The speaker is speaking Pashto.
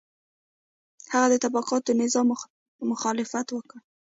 هغه د طبقاتي نظام مخالفت وکړ.